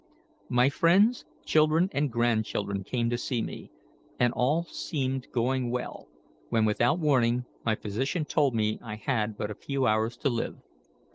My friends, children, and grandchildren came to see me, and all seemed going well, when, without warning, my physician told me I had but a few hours to live.